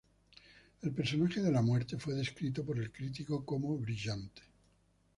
El personaje de la Muerte fue descrito por el crítico como brillante.